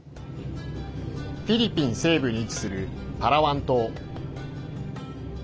フィリピン西部に位置するパラワン島。